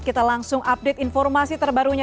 kita langsung update informasi terbarunya